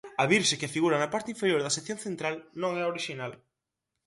A virxe que figura na parte inferior da sección central non é a orixinal.